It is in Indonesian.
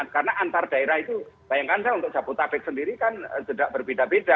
karena antar daerah itu bayangkan saya untuk jabodetabek sendiri kan berbeda beda